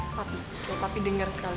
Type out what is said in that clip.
papi supaya papi denger sekali